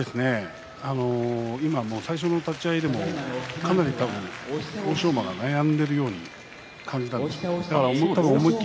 今、最初の立ち合いでもかなり欧勝馬が悩んでいるように感じたんだと思います。